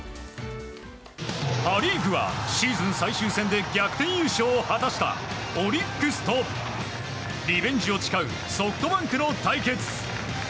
パ・リーグはシーズン最終戦で逆転優勝を果たしたオリックスと、リベンジを誓うソフトバンクの対決。